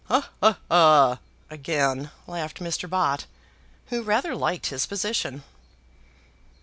"Ha, ha, ha," again laughed Mr. Bott, who rather liked his position.